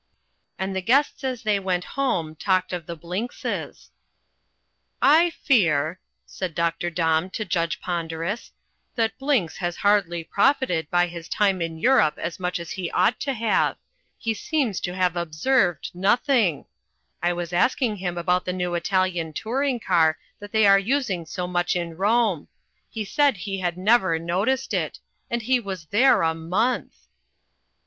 And the guests as they went home talked of the Blinkses. "I fear," said Dr. Domb to Judge Ponderus, "that Blinks has hardly profited by his time in Europe as much as he ought to have. He seems to have observed nothing. I was asking him about the new Italian touring car that they are using so much in Rome. He said he had never noticed it. And he was there a month!"